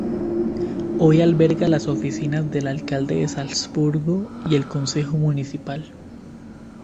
Hoy alberga las oficinas del alcalde de Salzburgo y el consejo municipal.